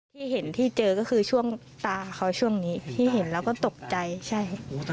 ที่เห็นที่เจอก็คือช่วงตาเขาช่วงนี้ที่เห็นแล้วก็ตกใจใช่